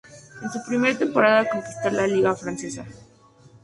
En su primera temporada conquistó la Liga francesa.